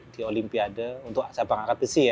di olimpiade untuk cabang angkat besi ya